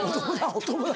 「お友達」。